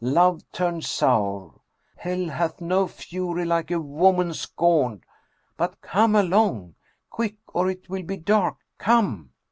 Love turned sour. ' Hell hath no fury like a woman scorned/ But come along ! Quick, or it will be dark. Come